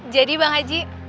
jadi bang haji